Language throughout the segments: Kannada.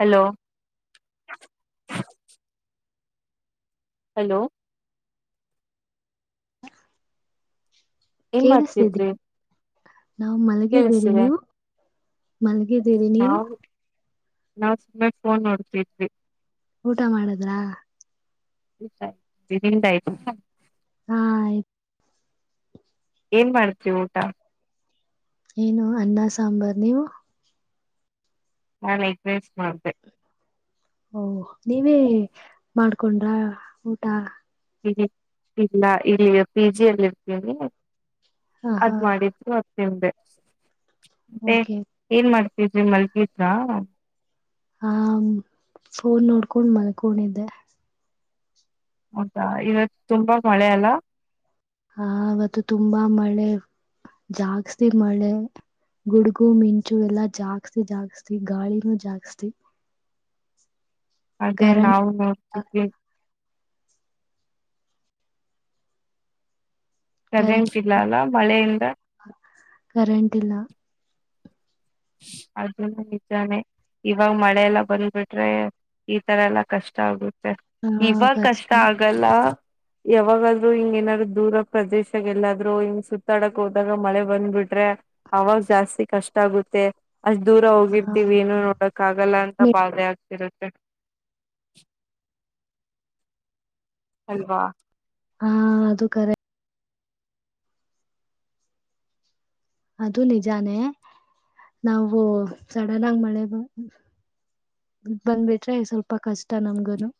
ಹಲೋ ಹಲೋ [inaudible] ಏನ್ ಕೇಳಿಸ್ತಿದ್ದಿ ಮಾಡ್ತಿದ್ರಿ ನಾವು ಮಲಗಿದ್ದೀನಿ ಕೇಳಿಸ್ತಿದೆ ನೀವು ಮಲ್ಗಿದ್ದೀರನಿ ನೀವು ನಾವು ಸುಮ್ಮನೆ ಫೋನ್ ನೋಡ್ತಿದ್ವಿ ಊಟ ಮಾಡದ್ರಾ [unintelligible] ಹಾ ಆಯ್ತು ಏನ್ ಮಾಡ್ತ್ರಿ ಊಟ ಏನು ಅನ್ನ ಸಾಂಬಾರ್ ನೀವು ನಾ ಎಗ್ರೀಸ್ ಮಾಡ್ದ ಓ ನೀವೇ ಮಾಡ್ಕೊಂಡ್ರ ಊಟ ಇಲ್ಲ ಇಲ್ಲಿ ಪಿ ಜಿಲ್ಲಿ ಇರ್ತೀನಿ ಹ ಅದ್ ಹಾ ಮಾಡಿದ್ರು ಅದು ತಿಂದೆ ಮತ್ತೆ ಓಕೆ ಏನ್ ಮಾಡ್ತಿದ್ರಿ ಮಲ್ಗತ್ರ ಹ ಫೋನ್ ನೋಡ್ಕೊಂಡ್ ಮಲ್ಕೊಂಡಿದ್ದೆ ಹೌದಾ ಇವತ್ತು ತುಂಬಾ ಮಳೆ ಅಲ್ಲ ಹಾ ಇವತ್ತು ತುಂಬಾ ಮಳೆ ಜಾಸ್ಸ್ತಿ ಮಳೆ ಗುಡ್ಗು ಮಿಂಚು ಎಲ್ಲಾ ಜಾಸ್ತಿ ಜಾಸ್ತಿ ಗಾಳಿನೂ ಜಾಸ್ತಿ [inaudible] ಅದೇ ಕರೆಂಟ್ ನಾವು ನೋಡ್ತಿದ್ವಿ ಕರೆ ಕರೆಂಟ್ ಇಲ್ಲ ಅಲ್ಲ ಮಳೆಯಿಂದ ಕರೆಂಟ್ ಇಲ್ಲ ಅಜನ ನಿಜಾನೆ ಇವಾಗ ಮಳೆಲ್ಲ ಬಂದ್ಬಿಟ್ರೆ ಈತರ ಎಲ್ಲಾ ಕಷ್ಟ ಆಗ್ಬಿು ಇವಾಗ ಕಷ್ಟ ಆಗಲ್ಲ ಯಾವಾಗಾದ್ೂ ಹಿಂಗ ಏನಾದ್ರು ದೂರ ಪ್ರದೇಶಗೆ ಎಲ್ಲಾದ್ೂ ಹಿಂಗ ಸುತ್ತಾಡಕ್ ಹೋದಾಗ ಮಳೆ ಬಂದ್ಬಿಟ್ರೆ ಅವಾಗ ಜಾಸ್ತಿ ಕಷ್ಟ ಆಗುತ್ತೆ ಅಷ್ಟ್ ದೂರ ಹ ಹೋಗಿರ್ತಿೀವಿ ಏನು ನೋಡಕ್ ಆಗಲ್ಲ ಅಂತ ಬಾೆ ಆಗ್ತ ತಿರತ್ತ ಅಲ್ವಾ ಹಾ ಅದು ಕರೆ ಅದು ನಿಜಾನೇ ನಾವು ಸಡನ್ ಆಗ ಮಳೆ ಬಂದ್ಬಿಟ್ರೆ ಸ್ವಲ್ಪ ಕಷ್ಟ ನಮ್ಗನು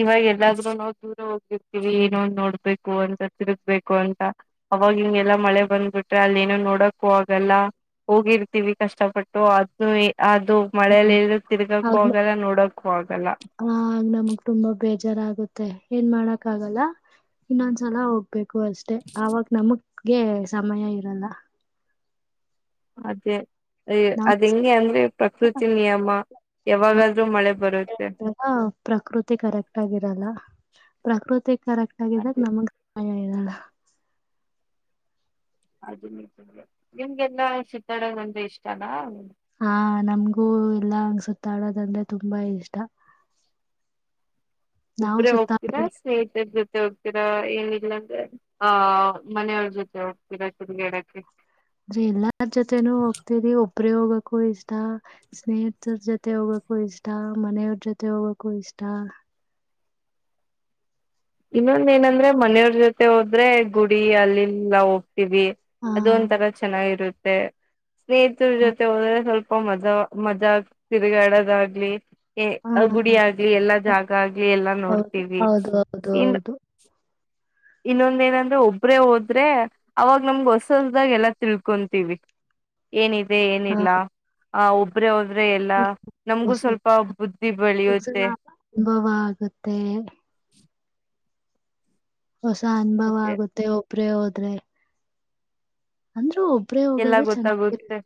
ಇವಾಗ ಎಲ್ಲಾದ್ರೂ ನಾವು ದೂರ ಹೋಗಿರ್ತೀವಿ ಏನೋಂದು ನೋಡ್ಬೇಕು ಅಂತ ತಿರುಗ್ಬೇಕು ಅಂತ ಅವಾಗ ಹಿಂಗೆಲ್ಲಾ ಮಳೆ ಬಂದ್ಬಿಟ್ರೆ ಅಲ್ಲಿ ಏನೋ ನೋಡಕ್ಕೂ ಆಗಲ್ಲ ಹೋಗಿರ್ತೀವಿ ಕಷ್ಟಪಟ್ಟು ಅದ ಅದು ಮಳೆಯಲ್ಲಿ ಇಲ್ ತಿರ್ಗಕ್ಕೂ ಆಗ್ಲ ಆಗಲ್ಲ ನೋಡಕ್ಕೂ ಆಗಲ್ಲ ಆಗ ನಮಗ್ ತುಂಬಾ ಬೇಜಾರಾಗುತ್ತೆ ಏನ್ ಮಾಡಕ್ ಆಗಲ್ಲ ಇನ್ನೊಂದ್ಸಲ ಹೋಗ್ ಬೇಕು ಅಷ್ಟೆ ಅವಾಗ ನಮಗ್ಗೆ ಸಮಯ ಇರಲ್ಲ ಅದೇ ನಮ್ ಅದ ಹೆಂಗೆ ಅಂದ್ರೆ ಪ್ರಕೃತಿ ನಿಯಮ ಯಾವಾಗಾದ್ರೂ ಮಳೆ ಬರುತ್ತೆ ಪ್ರಕೃತಿ ಕರೆಕ್ಟ್ ಆಗಿರಲ್ಲ ಪ್ರಕೃತಿ ಕರೆಕ್ಟ್ ಆಗಿದಾಗ ಅದೇ ನಮಗ್ ಸಮಯ ಇರಲ್ಲ ಅದ ನಿತ ನಿಮ್ಗೆಲ್ಲಾ ಶೀತಾಡದ ಅಂದ್ರೆ ಇಷ್ಟ ಅಲ್ಲ ಹಾ ನಮ್ಗೂ ಎಲ್ಲಾ ಹಂಗ ಸುತ್ತಾಡೋದಂದ್ರೆ ತುಂಬಾ ಇಷ್ಟ ನಾವು ಒಬ್ರೇ ಸುತ್ತಾಡ ಹೋಗ್ತೀರಾ ಸ್ನೇಹಿತರ ಜೊತೆ ಹೋಗ್ತೀರಾ ಏನ ಇಲ್ಲಂದ್ರೆ ಆ ಮನೆಯವ್ರ ಜೊತೆ ಹೋಗ್ತೀರಾ ತಿನ್ನಗೇಡಕ್ಕೆ ಅ ಎಲ್ಲಾರ್ ಜೊತೆನೂ ಹೋಗ್ತರಿ ಒಬ್ಬ್ರ ಹೋಗ ಕೂ ಇಷ್ಟ ಸ್ನೇಹಿತರ ಜೊತೆ ಹೋಗಕ್ಕೂ ಇಷ್ಟ ಮನೆಯವ್ರ ಜೊತೆ ಹೋಗಕ್ಕೂ ಇಷ್ಟ ಇನ್ನೊಂದ ಏನಂದ್ರೆ ಮನೆಯವ್ರ ಜೊತೆ ಹೋದ್ರೆ ಗುಡಿ ಅಲ್ಲಿಲ್ಲ ಹಾ ಅದು ಒಂ ತರ ಚೆನ್ನಾಗಿರುತ್ತೆ ಸ್ನೇಹಿತರ ಹ ಜೊತೆ ಹೋದೆ ಸ್ವಲ್ಪ ಅಪ ಮಜಾ ಮಜಾ ಆಗ್ ತಿರುಗಾಡೋದಾಗ್ಲಿ ಹಾ ಗುಡಿ ಆಗ್ಲಿ ಎಲ್ಲಾ ಜಾಗ ಆಗ್ಲಿ ಎಲ್ಲಾ ಹೌದು ನೋಡ್ತೀವಿ ಹೌದು ಹೌದು ಇನ್ ಹೌದು ಇನ್ನೊಂದ ಏನಂದ್ರೆ ಒಬ್ರೆ ಹೋದ್ರೆ ಅವಾಗ ನಮ್ಗ ಹೊಸ ಹೊಸ್ದಾಗ ಎಲ್ಲ ತಿಳ್ಕೊಂತೀವಿ ಏನಿದೆ ಹಾ ಏನಿಲ್ಲ ಆ ಒಬ್ರೆ ಒಬ್ರೆ ಎಲ್ಲಾ ನಮ್ಗೂ ಹೊಸ ಸ್ವಲ್ಪ ಬುದ್ಧಿ ಹೊಸ ಬೆಳಿಯುತ್ತೆ ಅನುಭವ ಆಗುತ್ತೆ ಹೊಸ ಅನುಭವ ಮತ್ತೆ ಆಗುತ್ತೆ ಒಬ್ರೇ ಹೋದ್ರೆ ಅಂದ್ರೆ ಒಬ್ರೇ ಎಲ್ಲಾ ಹೋಗೋದು ಚೆನ್ನಾಗಿರ ಗೊತ್ತಾಗುತ್ತೆ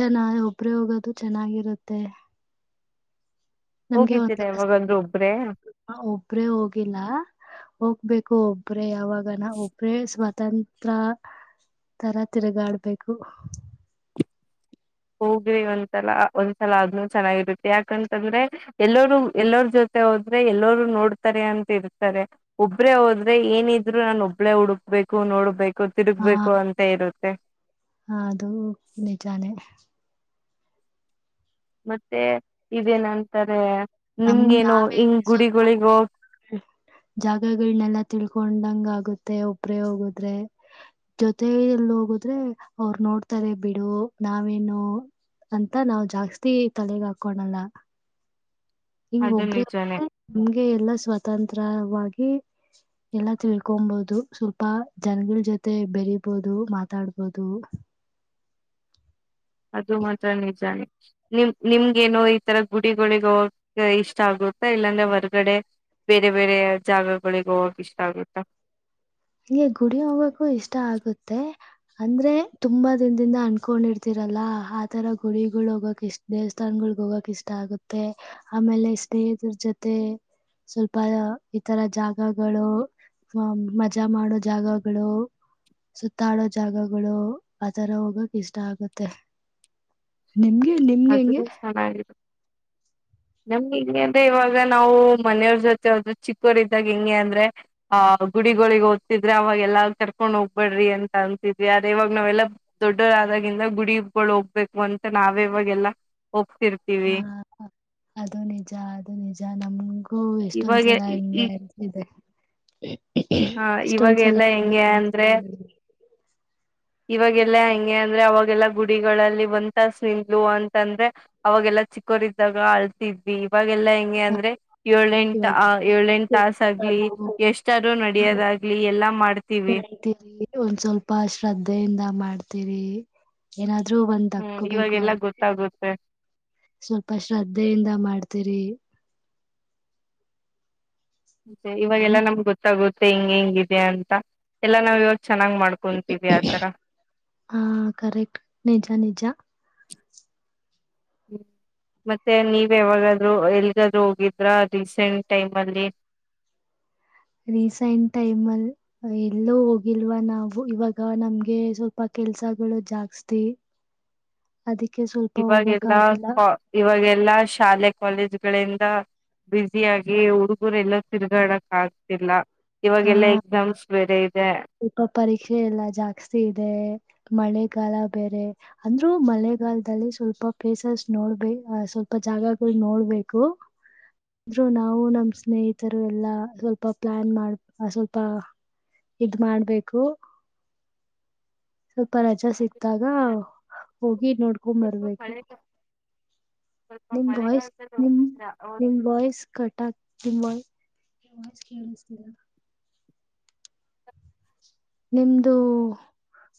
ಚೆನ್ನ ಒಬ್ರೇ ಹೋಗೋದು ಚೆನ್ನಾಗಿರತ್ತೆ ಂತೆ ಹೋಗಿದ್ದೀರಾ ಯವಾಗಂದ್ರೆ ಒಬ್ಬ್ರೆ ಒಬ್ರೇ ಹೋಗಿಲ್ಲ ಹೋಗ್ಬೇಕು ಒಬ್ರ ಯಾವಾಗ ನ ಒಬ್ರೇ ಸ್ ತಂತ್ರ ತರ ತಿರುಗಾಡ್ಬೇಕು ಹೋಗ್ರಿ ಒಂದ್ಸಲ ಒಂದ್ಸಲ ಅದ್ನುೂ ಚೆನ್ನಾಗಿರುತ್ತೆ ಯಾಕಂತಂದ್ರೆ ಎಲ್ಲರು ಎಲ್ಲರ ಜೊತೆ ಮೆ ಹೋದ್ರೆ ಎಲ್ಲರೂ ನೋಡ್ತಾರೆ ಅಂತ ಇರ್ತಾರೆ ಒಬ್ಬ್ರೇ ಹೋದ್ರೆ ಏನಿದ್ರು ನಾನು ಒಬ್ಳೇ ಹುಡುಕ್ ಬು ನೋಡ್ಬೇಕು ಹಾ ತಿರುಗ್ಬೇಕು ಅಂತ ಇರುತ್ತೆ ಅದು ನಿಜಾನೇ ಮತ್ತೆ ಇದೇನಂತಾರೆ ನಿಮ್ಗೇನುೋ ಹಂಗ ಗುಡಿಗಳಿಗೋ ಜಾಗಗಳನ್ನೆಲ್ಲಾ ತಿಳ್ಕೊಂಡಂಗ ಆಗುತ್ತೆ ಒಬ್ರೇ ಹೋಗುದ್ರೆ ಜೊತೆಯಲ್ಲಿ ಹೋಗುದ್ರೆ ಅವರು ನೋಡ್ತಾರೆ ಬಿಡು ನಾವೇನು ಅಂತ ನಾವ್ ಜಾಸ್ತಿ ತಲೆಗ್ ಹಾಕೋಳಲ್ಲ. ಹಿಂಗ ಅದು ಒಬ್ರ ನಿಜಾನೇ ನಿಮ್ಗೆ ಎಲ್ಲಾ ಸ್ವತಂತ್ರವಾಗಿ ಎಲ್ಲ ತಿಳ್ಕೊಂಬಹುದು ಸ್ವಲ್ಪ ಜನಗಳ ಜೊತೆ ಬೆರೀಬೋದು ಮಾತಾಡ್ಬೋದು ಅದು ಮಾತ್ರ ನಿಜಾನೇ ನಿಮ ನಿಮ್ಗೇನೋ ಈತರ ಗುಡಿಗಳಿಗೆ ಹೋಗಕ್ ಇಷ್ಟ ಆಗ ಇಲ್ಲಾಂದ್ರೆ ಹೊರ್ಗಡೆ ಬೇರೆ ಬೇರೆ ಜಾಗಗಳಿಗೆ ಹೋಗಾಗ ಇಷ್ಟ ಆಗುತ್ತ. ಹಂಗೆ ಗುಡಿ ಹೋಗಕು ಇಷ್ಟ ಆಗುತ್ತೆ ಅಂದ್ರೆ ತುಂಬಾ ದಿನದಿಂದ ಅನ್ಕೊಂಡಿರ್ತಿರೋ. ಲ್ಲ ಆತರ ಗುರಿಗಳು ಹೋಗಕ್ ಇಷ್ಟ ದೇವಸ್ಥಾನನ್ಗಳಗ್ ಹೋಗಕ ಇಷ್ಟ ಆಗುತ್ತೆ ಆಮೇಲೆ ಇಷ್ಟೇ. ದುರ್ ಜೊತೆ ಸ್ವಲ್ಪ ಇತರ ಜಾಗಗಳು ಮತ್ ಮಜಾ ಮಾಡೋ ಜಾಗಗಳು ಸುತ್ತಾಡೋ ಜಾಗಗಳು ಆತರ ಹೋಗಕ ಇಷ್ಟ ಆಗುತ್ತೆ. ನಿಮ್ಗೆ ನಿಮ್ಗೆ ಅದು ಹೆಂಗೆ ಚೆನ್ನಾಗಿದೆ ನಮ್ಗೆ ಹಂಗೆ ಅಂದ್ರೆ ಇವಾಗ ನಾವು ಮನೆಯವ್ರ ಜೊತೆ ಹೋದ್ರು ಚಿಕ್ಕವರದ್ದಾಗ ಹೆಂಗೆ ಅಂದ್ರೆ ಆ ಗುಡಿಗಳಿಗೆ ಹೊತಿದ್ರೆ ಅವಾಗೆಲ್ಲಾ ಕರ್ಕೊಂಡ್ ಹೋಗ್ಬೇಡ್ರಿ ಅಂತ ಅನ್ನತಿದ್ವಿ ಆದ್ರೆ ಇವಾಗ ನಾವೇಲ್ಲ ದೊಡ್ಡರಾದಾಗಿಂದ ಗುಡಿಗಳು ಹೋಗ್ಬೇಕು ಅಂತ ನಾವೇ ಇವಾಗೆಲ್ಲ. ಹಾ ಅದು ನಿಜ ಅದು ನಿಜ ನಮಗೂ ಹ ಇವಾಗ ಎಷ್ಟೊಂದ್ಸಲ ಹಿಂಗೆ ಈ ಆಗತ್ತಿದೆ ಹ ಇವಾಗ ಎಷ್ಟೊಂದ್ಸಲ ಎಲ್ಲಾ ಹಿಂಗೆ ಹೆಂಗೆ ಆಗಿ ಅಂದ್ರೆ ಬಿಟ್ಟಿದೆ. ಇವಾಗೆಲ್ಲಾ ಹಂಗೆ ಅಂದ್ರೆ ಅವಾಗೆಲ್ಲಾ ಗುಡಿಗಳಲ್ಲಿ ಒಂದ ತಾಸ್ ನಿಂದ್ಲು ಅಂತಂದ್ರೆ ಅವಾಗೆಲ್ಲಾ ಚಿಕ್ಕ ದಾಗ ಆಳ್ತಿದ್ವಿ ಇವ ಇವಗೆಲ್ಲ ಹೆಂಗೆ ಅಂದ್ರೆ ಏಳ ಎಂಟ ಇವಾಗ ಏಳ ಎಂಟು ತಾಸ ಆಗ್ಲಿ ಎಷ್ಟ ಹಾ ಕತೀರಿ ಒಂದ್ ಸ್ವಲ್ಪ ಶ್ರದ್ಧೆಯಿಂದ ಮಾಡ್ತೀ ರಿ ಏನಾದ್ರೂ ಒಂದ್ ಹ್ಮ್ ಹಕ್ಕೋಬೇಕು ಇವಾಗೆಲ್ಲಾ ಅಂತ ಗೊತ್ತಾಗುತ್ತೆ ಸ್ವಲ್ಪ ಶ್ರದ್ಧೆಯಿಂದ ಮಾಡ್ತೀರಿ ಇವಾಗಲ್ಲಾ ನಮ್ಗೆ ಗೊತ್ತಾಗುತ್ತೆ ಹಿಂಗ್ ಹೆಂಗಿದೆ ಅಂತ ಎಲ್ಲಾ ನಾವ್ ವ್ಯವಸ್ ಚೆನ್ನಾಗ ಮಾಡ್ಕೊಂತೀದಿಯಾ ಆತರ ಹಾ ಕರೆಕ್ಟ್ ನಿಜ ನಿಜ ಹ್ಮ್ ಮತ್ತೆ ನೀವ ಯಾವಾಗಾದರೂ ಎಲ್ಗಾದರೂ ಹೋಗಿದ್ರ ರೀಸೆಂಟ್ ಟೈಮ ಅಲ್ಲಿ ರೀಸೆಂಟ್ ಟೈಮ್ ಅಲ್ಲಿ ಎಲ್ಲೋ ಹೋಗಿಲ್ವಾ ನಾವು ಇವಾಗ ನಮ್ಗೆ ಸ್ವಲ್ಪ ಕೆಲ್ಸಗಳು ಜಾಸ್ತಿ ಅದಕ್ಕೆ ಸ್ವಲ್ಪ ಹೋಗಕ್ ಇವಾಗೆಲ್ಲ ಆಗಿಲ್ಲ ಕಾ ಇವಾಗೆಲ್ಲಾ ಶಾಲೆ ಕಾಲೇಜ್ಗಳಿಂದ ಬ್ಯುಸಿಯಾಗಿ ಹುಡುಗರೆ ಎಲ್ಲ ತಿರುಗಾಡಕ್ ಆಗ್ತಿಲ್ಲ. ಹಾ ಇವಾಗೆಲ್ಲಾ ಎಕ್ಸಾಮ್ಸ್ ಬೇರೆ ಇದೆ ಸ್ವಲ್ಪ ಪರೀಕ್ಷೆ ಎಲ್ಲ ಜಾಸ್ತಿ ಇದೆ ಮಳೆ ಮಳೆಗಾಲ ಬೇರೆ ಅಂದ್ರರು ಮಳೆಗಾಲದಲ್ಲಿ ಸ್ವಲ್ಪ ಪ್ಲೇಸಸ್ ನೋಡ್ಬೇ ಸ್ವಲ್ಪ ಜಾಗಗಳು ನೋಡ್ಬೇಕು ಎಲ್ರು ನಾವು ನಮ ಸ್ನೇಹಿತರು ಎಲ್ಲಾ ಸ್ವಲ್ಪ ಪ್ಲಾನ್ ಮಾಡ ಆ ಸ್ವಲ್ಪ ಇದ್ ಮಾಡ್ಬೇಕು. ಸ್ವಲ್ಪ ರಜಾ ಸಿಕ್ತಾಗ ಹೋಗಿ ಸ್ವಲ್ಪ ನೋಡ್ಕೊಂಬರ್ಬೇಕು. ಮಳೆ ಸ್ವಲ್ಪ ನಿಮ್ ವಾಯ್ಸ್ ಮಳೆಗಾಲದಲ್ಲಿ ನಿಮ ನಿಮ್ ವಾಯ್ಸ್ ಕಟ್ ಆಗ್ತಾ ನಿಮ್ ವಾಯ್ ವಾಯ್ಸ್ ಕೇಳಿಸತಿಲ್ಲ ನಿಮ್ದು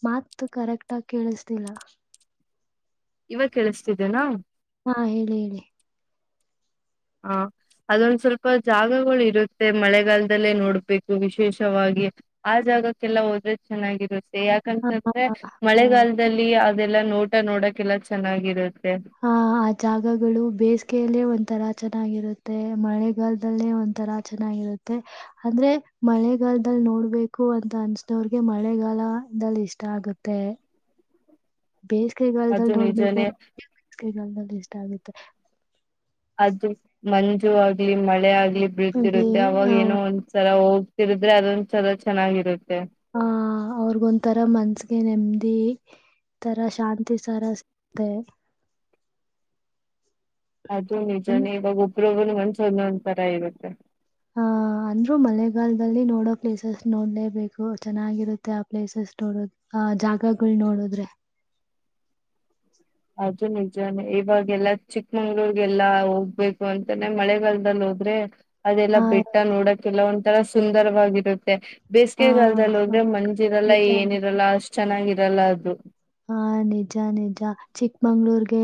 ಮಾತು ಕರೆಕ್ಟ್ ಆಗ ಕೇಳಿಸತಿಲ್ಲ ಇವಾಗ ಕೇಳಿಸತಿದ್ದೇನಾ ಹಾ ಹೇಳಿ ಹೇಳಿ ಹ ಅದೊಂದ ಸ್ವಲ್ಪ ಜಾಗಗಳು ಇರುತ್ತೆ ಮಳೆಗಾಲದಲ್ಲೇ ನೋಡ್ಬೇಕು ವಿಶೇಷವಾಗಿ ಆ ಜಾಗಕ್ಕೆಲ್ಲ ಹೋದ್ರೆ ಚೆನ್ನಾಗಿರು ಹಾ ಯಾಕಂತಂದ್ರೆ ಹಾ ಹಾ ಮಳೆಗಾಲದಲ್ಲಿ ಅದೆಲ್ಲಾ ನೋಟ ನೋಡಕೆಲ್ಲ ಚೆನ್ನಾಗಿರ ಹ ಆ ಜಾಗಗಳು ಬೇಸಿಗೆಯಲ್ಲೇ ಒಂಥರ ಚೆನ್ನಾಗಿರುತ್ತೆ ಮಳೆಗಾಲದಲ್ಲಿ ಒಂಥರ ಚೆನ್ನಾಗಿರುತ್ತೆ ಅಂದ್ರೆ ಮಳೆಗಾಲದಲ್ಲಿ. ನೋಡ್ಬೇಕು ಅಂತ ಅನ್ಸ್ದವ್ರಿಗೆ ಮಳೆಗಾಲದಲ್ಲಿ ಇಷ್ಟ ಆಗುತ್ತೆ. ಬೇಸಿಗೆ ಗಾಲದಲ್ಲ ಅದು ನೋಡ್ಬೇಕು ನಿಜಾನೇ [unintelligible] ಬೇಸಿಗೆ ಗಾಲದಲ್ಲು ಇಷ್ಟ ಆಗುತ್ತೆ. ಅದು ಮಂಜು ಆಗ್ಲಿ ಮಳೆ ಆಗ್ಲಿ ಅಲ್ಲಿ ಬಿಳತಿರುತ್ತೆ ಅವಾಗ ಆ ಏನೋ ಒಂದ್ಸಲ ಹೋಗ [unintelligible] ಅದೊಂದ ಸಲ ಚೆನ್ನಾಗಿರುತ್ತ. ಹ ಅವ್ರಗ ಒಂಂತರ ಮನ್ಸಗೆ ನೆಮ್ ದಿ ತರ ಶಾಂತಿ ಸರ ಸಿಗುತೆ. ಅದು ನಿಜಾನೇ ಇವಾಗ ಒಬ್ಬಗ ಒಳಗಡೆ ಮನಸ್ ಒಂದ್ ತರ ಇರುತ್ತೆ. ಲ್ಲಿ ನೋಡೋ ಪ್ಲೇಸಸ್ ನೋಡ್ಲೇಬೇಕು ಚೆನ್ನಾಗಿರುತ್ತೆ ಆ ಪ್ಲೇಸಸ್ ನೋಡೋ ಆ ಜಾಗಗಳು ನೋಡ ನೋಡುದ್ರೆ. ಅದು ನಿಜಾನೇ ಇವಾಗೆಲ್ಲಾ ಚಿಕ್ಕಮಂಗ್ಳೂರ್ಗೆಲ್ಲಾ ಹೋಗ್ಬೇಕು ಅಂತಾನೆ ಮಳೆಗಾಲದಲ್ಲಿ ಹೋ ದ್ರೆ ಅದೆಲ್ಲಾ ಆ ಬೆಟ್ಟ ನೋಡಕಲ್ಲ ಒಂಂತರ ಸುಂದರವಾಗಿರುತ್ತೆ. ಆ ಬೇಸಿಗೆಗಲ್ದಲ್ಲಿ ಆ ಹೋದ್ರೆ ಮಂಜಿರಲ್ಲ ನಿಜ ನಿಜ ಏನಿರಲ್ಲ ಅಷ್ಟ್ ಚೆನ್ನಾಗಿರಲ್ಲ ಅದು. ಹಾ ನಿಜ ನಿಜ ಚಿಕ್ಕಮಂಗಳೂರಿಗೆ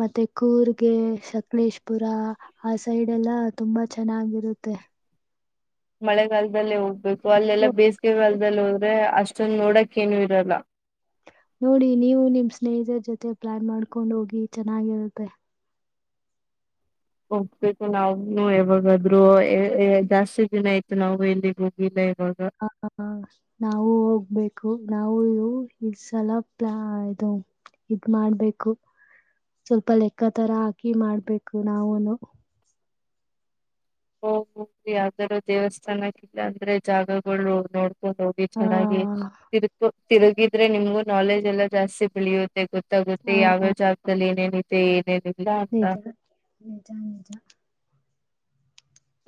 ಮತ್ತೆ ಕೂರ್ಗೆ ಸಕಲೇಶ ಪುರಾ ಆ ಸೈಡ್ ಎಲ್ಲಾ ತುಂಬಾ ಚೆನ್ನಾಗಿರುತ್ತೆ. ಮಳೆಗಾಲದಲ್ಲಿೇ ಹೋಗ್ಬೇಕು ಅಲ್ಲೆಲ್ಲಾ ಓ- ಬೇಸಿಗೆಗಾಲದಲ್ಲಿ ಹೋದ್ರೆ ಅಷ್ಟ. ಅಷ್ಟೊಂದು ನೋಡಕ ಏನು ಇರಲ್ಲ. ನೋಡಿ ನೀವು ನಿಮ್ ಸ್ನೇಹಿತರ ಜೊತೆ ಪ್ಲಾನ್ ಮಾಡ್ಕೊಂಡ್ ಹೋಗಿ ಚೆನ್ನಾಗಿರುತ್ತೆ. ಹೋಗ್ಬೇಕು ನಾವ್ನು ಯಾವಾಗಾದ್ರೂ ಏ ಏ ಜಾಸ್ತಿ ದಿನ ಆಯ್ತು ನಾವು ಎಲ್ಲಿಗ ಹೋಗಿದ್ದೆ. ಹ ಹ ಹ ನಾವು ಹೋಗ್ಬೇಕು. ನಾವು ಈಸಲ ಪ್ಲಾ ಇದು ಇದ ಮಾಡ್ಬೇಕು. ಸ್ವಲ್ಪ ಲೆಕ್ಕ ತರ ಹಾಕಿ ಮಾಡ್ಬೇಕು ನಾವೂನು. ಹೋಗ್ ಹೋಗಿ ಯಾವ್ದಾರೂ ದೇವಸ್ಥಾನಕ್ಕ ಇಲ್ಲ ಅಂದ್ರೆ ಜಾಗಗಳು ನೋಡ ಬೋದ. [unintelligible] ಡೋಗಿ ಹ ಚೆನ್ನಾಗಿ ತಿರಗ ತಿರಗಿದ್ರೆ ನಿಮಗೂ ನಾಲೆಡ್ಜ್ ಎಲ್ಲಾ ಜಾಸ್ತಿ ಬೆಳಿಯುದ. ಗೊತ್ತ ಗೊತ್ತ ಹ ಯಾವ್ಯಾವ ಜಾಗದಲ್ಲಿ ಏನೇನಿದೆ ಏನೇನಿಲ್ಲ ಅಂತ. ನಿಜಾ.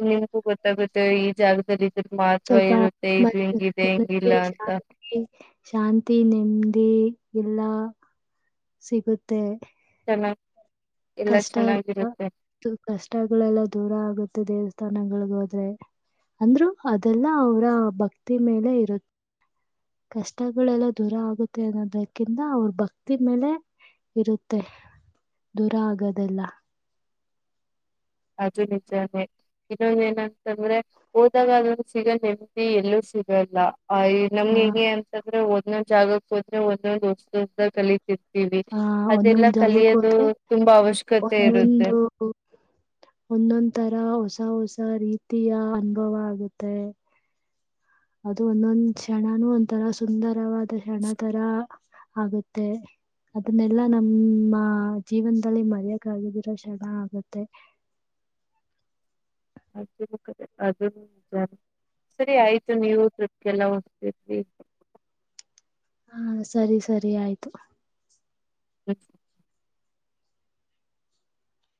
ನಿಮ್ಗೂ ಗೊತ್ತಾಗುತ್ತೆ ಈ ಜಾಗದಲ್ಲಿ. ಇದ್ರ ಮಹತ್ವ ಸ್ವಲ್ಪ ಇರುತ್ತೆ ಇದು ಮನಸಿಗ ಹಿಂಗಿದೆ ಮನಸ್ಸಗೆ ಹಿಂಗಿಲ್ಲ ಅಂತ ಶಾಂತಿ ಶಾಂತಿ ನೆಮ್ಮದಿ. ಎಲ್ಲಾ ಸಿಗುತ್ತೆ. ಚೆನ್ನಾಗ. ಕಷ್ಟ ಎಲ್ಲ ಕಷ್ಟಗಳೆಲ್ಲ ದೂರ ಆಗುತ್ತೆ ದೇವಸ್ಥ ತನಗಳಲೀ ಹೋದ್ರೆ ಅಂದ್ರರು ಅದೆಲ್ಲ ಅವ್ರ ಭಕ್ತಿ ಮೇಲೆ ಇರುತ್ತ. ಕಷ್ಟಗಳೆಲ್ಲ ದೂರ ಆಗುತ್ತೆ ಅನ್ನೋದಕ್ಕಿಂತ ಅವ್ರ ಭಕ್ತಿ ಮೇಲೆ ಇರುತ್ತೆ ದೂರ ಆಗದೆಲ್ಲ. ಅದು ನಿಜಾನೆ. ಇನ್ನೊಂದ ಏನಂತಂದ್ರೆ ಹೋದಾಗ ಅದ ಸಿಗೋ ನೆಮ್ಮದಿ ಎಲ್ಲೂ ಸಿಗಲ್ಲ. ಆಯ ಆ ನಮ್ಗೆ ಹೆಂಗೆ ಅಂತಂದ್ರೆ ಒಂದೊಂದು ಜಾಗಕ್ ಹೋದ್ರೆ ಒಂದೊಂದು [unintelligible] ಕಲಿತಿವಿ. ಹ್ಮ್ಮ್ ಆ ಅದೆಲ್ಲ ಒಂದೊಂದ್ ಜಾಗಕ್ಕೆ ಕಲಿಯೋದು ಹೋದ್ರೆ ತುಂಬಾ ಅವಶ್ಯಕತೆ ಇರುತ್ತೆ. ಒಂದೊಂದು ಒಂದೊಂದ್ ತರ ಹೊಸ ಹೊಸ ರೀತಿಯ ಅನುಭವ ಆಗುತ್ತೆ. ಅದು ಒಂದೊಂದ್ ಕ್ಷಣನೂ ಒಂತರ ಸುಂದರವಾದ ಕ್ಷಣ ತರ ಆಗುತ್ತೆ. ಅದನ್ನೆಲ್ಲಾ ನಮ್ಮ ಜೀವನದಲ್ಲಿ ಮರೆಯಕ ಆಗಿದಿರೋ ಶ್ಷಣ ಆಗತ್ತೆ. [inaudible] [unintelligible] ಅದು ನಿಜಾನೆ. ಸರಿ ಆಯ್ತು ನೀವು ಟ್ರಿಪ್ಗೆಲ್ಲ ಹೋಗ್ತಿದಿ. ಹಾ ಸರಿ ಸರಿ ಆಯ್ತು. ಹ್ಮ್.